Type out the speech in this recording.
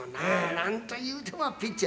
何というてもピッチャー。